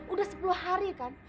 udah sepuluh hari kan